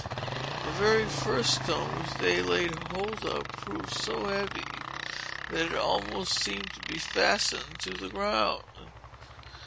The very first stone which they laid hold of, proved so heavy, that it almost seemed to be fastened to the ground.